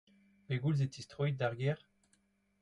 Pegoulz e tistroit d'ar gêr ?